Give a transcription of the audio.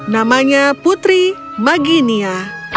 namanya putri maginia